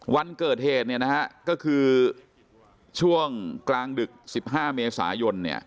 วันเกิดเหตุก็คือช่วงกลางดึก๑๕เมษายน